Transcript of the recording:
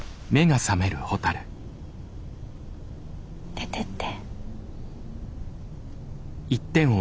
出てって。